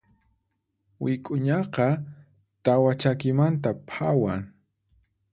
Wik'uñaqa tawa chakimanta phawan.